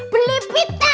beli pita ke pasar kerapian